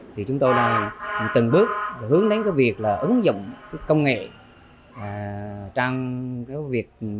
thì chúng tôi đang từng bước hướng đến việc ứng dụng công nghệ